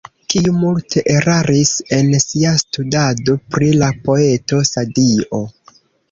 Kiu multe eraris en sia studado pri la poeto Sadio.